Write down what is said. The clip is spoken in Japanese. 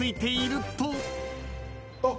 あっ！